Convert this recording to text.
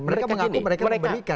mereka mengaku mereka memberikan